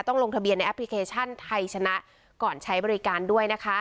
ลงทะเบียนในแอปพลิเคชันไทยชนะก่อนใช้บริการด้วยนะคะ